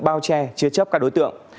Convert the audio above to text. bao che chia chấp các đối tượng